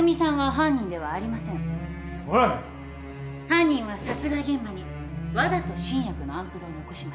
犯人は殺害現場にわざと新薬のアンプルを残しました。